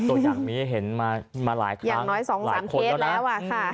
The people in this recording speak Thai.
ตัวอย่างนี้เห็นมามาหลายครั้งอย่างน้อยสองสามเคสแล้วอ่ะค่ะ